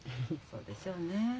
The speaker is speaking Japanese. そうでしょうね。